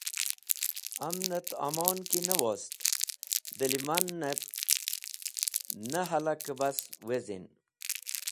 Amnẽt amon ki ne wost dẽlẽmanẽb ne hẽlakẽ bas wezin.